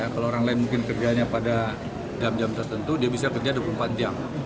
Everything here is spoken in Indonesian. kalau orang lain mungkin kerjanya pada jam jam tertentu dia bisa kerja dua puluh empat jam